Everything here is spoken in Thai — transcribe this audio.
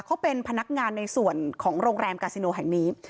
เขาเป็นพนักงานในส่วนของโรงแรมกาซิโนแห่งนี้